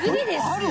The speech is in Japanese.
ある？